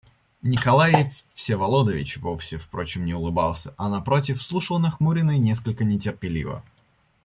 Николай Всеволодович вовсе, впрочем, не улыбался, а, напротив, слушал нахмуренно и несколько нетерпеливо.